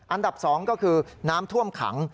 อันดับ๒ก็คือน้ำท่วมขัง